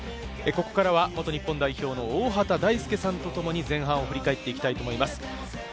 ここからは元日本代表の大畑大介さんとともに前半を振り返っていきます。